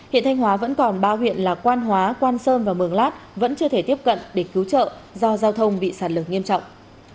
hiện thanh hóa vẫn còn ba huyện là quan hóa quan sơn và mường lát vẫn chưa thể tiếp cận để cứu trợ do giao thông bị sạt lở nghiêm trọng